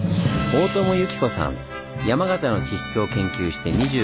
山形の地質を研究して２５年。